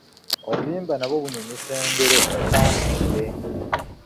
Obuyimba nabwo bunyumisa engero empandiike.